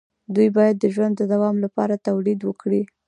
دوی باید د ژوند د دوام لپاره تولید وکړي.